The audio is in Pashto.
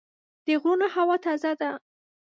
د غرونو هوا تازه ده.